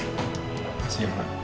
terima kasih bapak